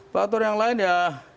faktor yang lain ya